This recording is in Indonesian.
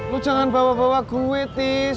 lo jangan bawa bawa gue tis